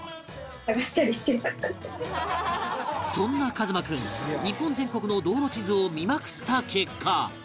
そんな一翔君日本全国の道路地図を見まくった結果